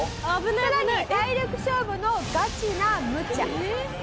さらに体力勝負のガチなむちゃ。